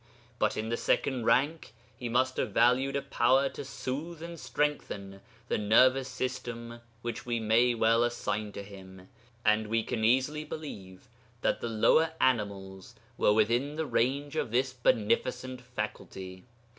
But in the second rank he must have valued a power to soothe and strengthen the nervous system which we may well assign to him, and we can easily believe that the lower animals were within the range of this beneficent faculty.